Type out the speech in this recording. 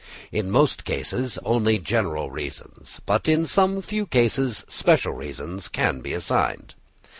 In most cases only general reasons, but in some few cases special reasons, can be assigned.